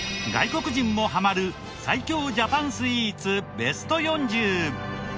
外国人もハマる最強ジャパンスイーツベスト４０。